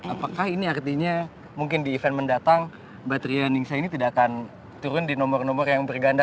apakah ini artinya mungkin di event mendatang batria ningsia ini tidak akan turun di nomor nomor yang berganda